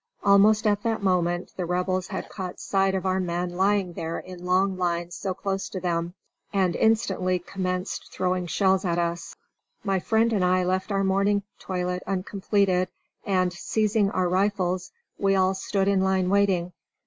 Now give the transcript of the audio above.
Almost at that moment the Rebels had caught sight of our men lying there in long lines so close to them, and instantly commenced throwing shells at us. My friend and I left our morning toilet uncompleted and, seizing our rifles, we all stood in line waiting.